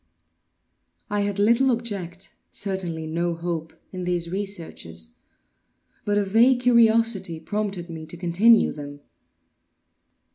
I had little object—certainly no hope—in these researches; but a vague curiosity prompted me to continue them.